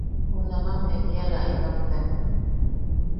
Junaman bea kiala a ibaktak.